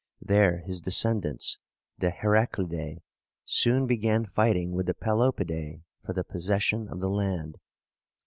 There his descendants, the Her a cli´dæ, soon began fighting with the Pelopidæ for the possession of the land.